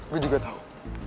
gue juga tahu